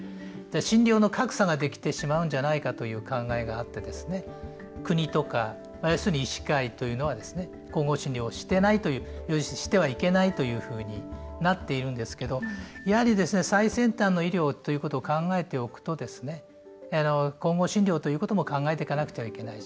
診療の格差ができてしまうんじゃないかという考えがあって国とか要するに医師会というのは混合治療をしてないというしてはいけないというふうになっているんですけどやはり最先端の医療ということを考えていくと混合治療ということも考えていかなければならない。